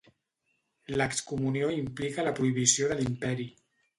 L'excomunió implica la prohibició de l'Imperi.